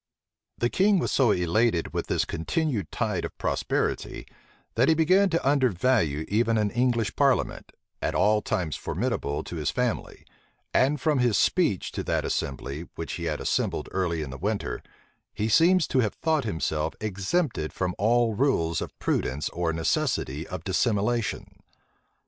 The king was so elated with this continued tide of prosperity, that he began to undervalue even an English parliament, at all times formidable to his family; and from his speech to that assembly, which he had assembled early in the winter, he seems to have thought himself exempted from all rules of prudence or necessity of dissimulation.